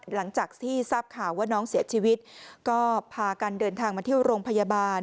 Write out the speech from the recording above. หลังจากที่ทราบข่าวว่าน้องเสียชีวิตก็พากันเดินทางมาเที่ยวโรงพยาบาล